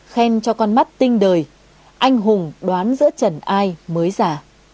khen cho con mắt tinh đời anh hùng đoán giữa trần ai mới già